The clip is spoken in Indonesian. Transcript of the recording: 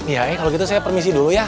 ya kalau gitu saya permisi dulu ya